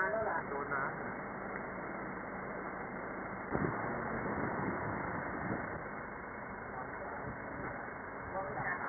สวัสดีครับสวัสดีครับ